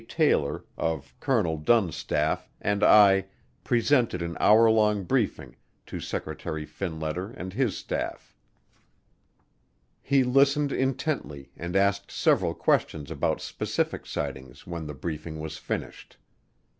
Taylor of Colonel Dunn's staff and I presented an hour long briefing to Secretary Finletter and his staff. He listened intently and asked several questions about specific sightings when the briefing was finished.